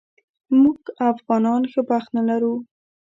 موږ افغانان ښه بخت نه لرو